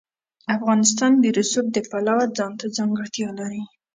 افغانستان د رسوب د پلوه ځانته ځانګړتیا لري.